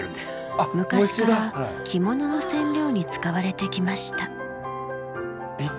昔から着物の染料に使われてきました。